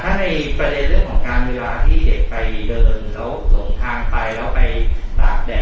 ถ้าในประเด็นเรื่องของการเวลาที่เด็กไปเดินแล้วส่งทางไปแล้วไปตากแดด